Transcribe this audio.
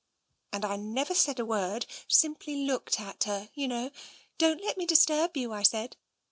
And I never said a word. Simply looked at her, you know. ' Don't let me disturb you,' I said.